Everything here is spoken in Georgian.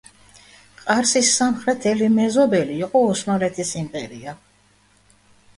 ყარსის სამხრეთელი მეზობელი იყო ოსმალეთის იმპერია.